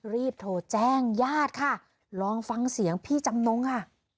รีบโทรแจ้งญาติค่ะลองฟังเสียงพี่จำนงค่ะ